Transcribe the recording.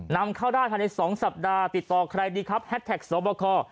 นำเข้าได้ใน๒สัปดาห์ติดต่อใครดีครับแฮดแท็กโซเบอร์คอร์